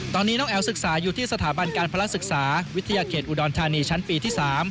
ตอนนี้น้องแอ๋วศึกษาอยู่ที่สถาบันการพลักษึกษาวิทยาเขตอุดรธานีชั้นปีที่๓